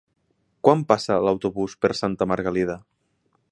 Quan passa l'autobús per Santa Margalida?